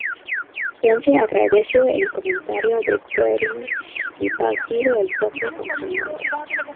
Spence agradeció el comentario de Goering y bautizó el topo con su nombre.